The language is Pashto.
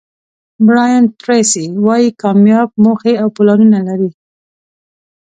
برایان ټریسي وایي کامیاب موخې او پلانونه لري.